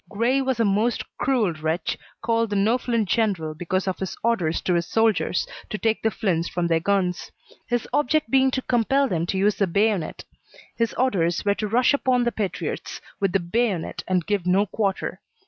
Grey was a most cruel wretch, called the no flint general because of his orders to his soldiers to take the flints from their guns; his object being to compel them to use the bayonet; his orders were to rush upon the patriots with the bayonet and give no quarter.